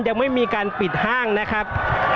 ยังไม่มีการปิดห้างนะครับ